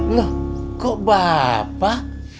loh kok bapak